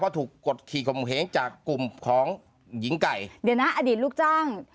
ถูกกดขี่ขมเหงจากกลุ่มของหญิงไก่เดี๋ยวนะอดีตลูกจ้าง